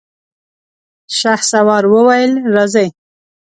شهسوار وويل: راځئ!